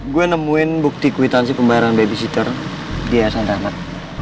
gue nemuin bukti kwitansi pembayaran babysitter di yayasan rahmat